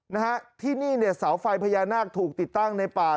นะฮะที่นี่เนี่ยเสาไฟพญานาคถูกติดตั้งในป่า